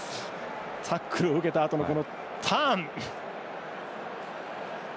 タックルを受けたあとのターン。